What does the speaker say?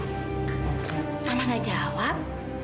mama enggak jawab